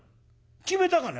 「決めたかね？」。